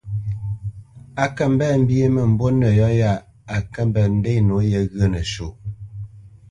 A kə mbenə mbínə mə́mbû nə yɔ ya a penə ŋkə ndenə nǒye ghyə̂ nəsuʼ.